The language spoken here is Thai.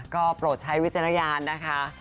ก็โปรดใช้วิจารณญาณนะคะ